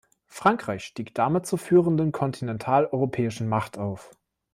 Frankreich stieg damit zur führenden kontinental-europäischen Macht auf.